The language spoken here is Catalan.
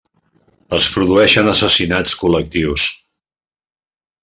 Es produeixen assassinats col·lectius.